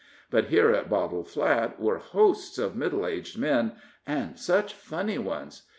But here at Bottle Flat were hosts of middle aged men, and such funny ones!